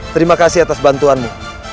terima kasih atas bantuanmu